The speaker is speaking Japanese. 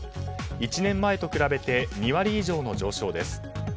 １年前と比べて２割以上の上昇です。